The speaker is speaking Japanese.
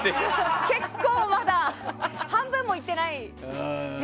結構まだ半分もいってない。